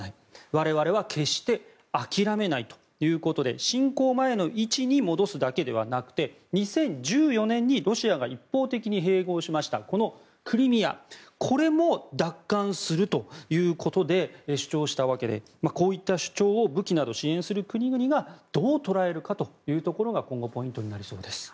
我々は決して諦めないと侵攻前の位置に戻すだけではなくて２０１４年にロシアが一方的に併合しましたクリミアもこれも奪還するということで主張したわけでこういった主張を武器などを支援する国々がどう捉えるかが今後ポイントになりそうです。